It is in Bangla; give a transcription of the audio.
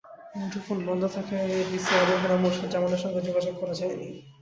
মুঠোফোন বন্ধ থাকায় ডিসি আবু হেনা মোরশেদ জামানের সঙ্গে যোগাযোগ করা যায়নি।